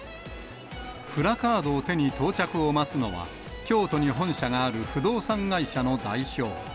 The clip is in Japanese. プラカードを手に到着を待つのは、京都に本社がある不動産会社の代表。